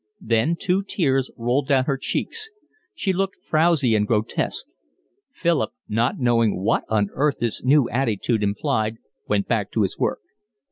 Then two tears rolled down her cheeks. She looked frowsy and grotesque. Philip, not knowing what on earth this new attitude implied, went back to his work.